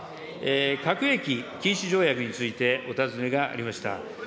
核兵器禁止条約についてお尋ねがありました。